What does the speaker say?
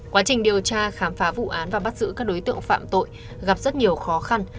quá trình điều tra khám phá vụ án và bắt giữ các đối tượng phạm tội gặp rất nhiều khó khăn